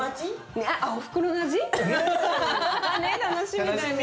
ねっ楽しみだね。